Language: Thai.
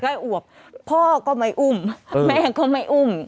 อวบพ่อก็ไม่อุ้มแม่ก็ไม่อุ้ม